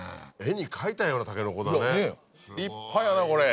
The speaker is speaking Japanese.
立派やなこれ。